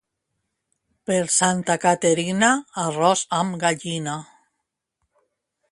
Per Santa Caterina, arròs amb gallina.